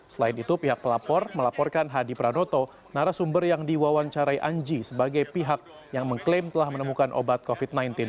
selain itu pihak pelapor melaporkan hadi pranoto narasumber yang diwawancarai anji sebagai pihak yang mengklaim telah menemukan obat covid sembilan belas